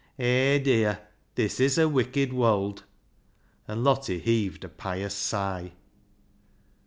"Hay, dear! this is a wicked wold," and Lottie heaved a pious sigh.